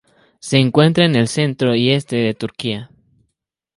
Se encuentra en el centro y este de Turquía.